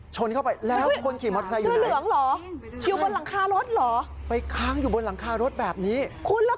ชนเข้าไปแล้วคุณขี่มอเตอร์ไซส์อยู่ไหน